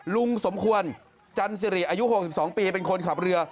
ลุงสมควรจันสิริอายุ๖๒ปีเป็นคนขับเรือ